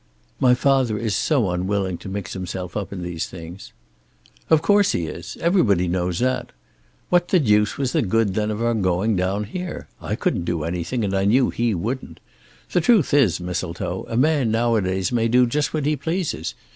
"My father is so unwilling to mix himself up in these things." "Of course he is. Everybody knows that. What the deuce was the good then of our going down there? I couldn't do anything, and I knew he wouldn't. The truth is, Mistletoe, a man now a days may do just what he pleases.